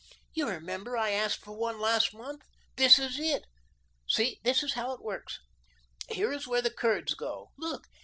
You remember I asked for one last month? This is it. See, this is how it works. Here is where the curds go; look.